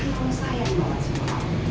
mau sayangin mama semua